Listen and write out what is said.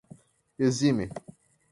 exime